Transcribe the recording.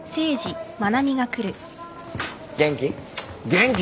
元気？